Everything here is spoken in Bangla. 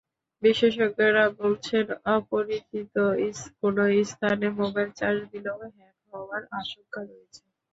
বিশেষজ্ঞরা বলছেন, অপরিচিত কোনো স্থানে মোবাইল চার্জ দিলেও হ্যাক হওয়ার আশঙ্কা রয়েছে।